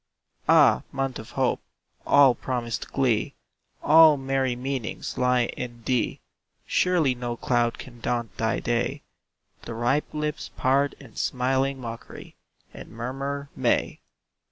Ah, month of hope! all promised glee, All merry meanings, lie in thee; Surely no cloud can daunt thy day. The ripe lips part in smiling mockery, And murmur, "May."